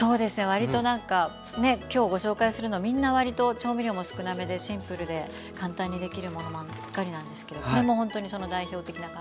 わりとなんかね今日ご紹介するのはみんなわりと調味料も少なめでシンプルで簡単にできるものばっかりなんですけどこれもほんとにその代表的な感じで。